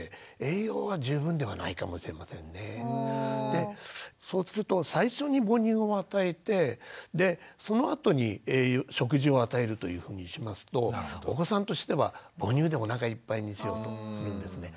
でそうすると最初に母乳を与えてでそのあとに食事を与えるというふうにしますとお子さんとしては母乳でおなかいっぱいにしようとするんですね。